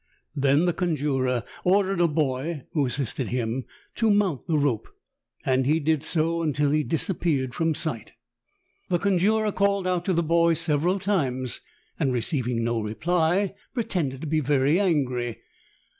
Then the conjurer ordered a boy who assisted him to mount the rope, and he did so until he disappeared from sight. The conjurer 89 90 THE TALICINO HANi)KERCHlEE. called out to the boy several times, and, receiving no repl}", pretended to be very angry.